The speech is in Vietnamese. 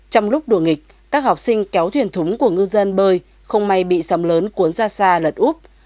trong lúc đùa nghịch các học sinh kéo thuyền thúng của ngư dân bơi không may bị sóng lớn cuốn ra xa lật úp